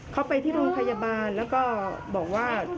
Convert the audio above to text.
เขาไปที่โรงพยาบาลแล้วก็บอกว่า